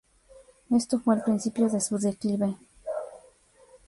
Esto fue el principio de su declive.